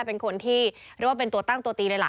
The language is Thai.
เป็นคนที่เรียกว่าเป็นตัวตั้งตัวตีเลยล่ะ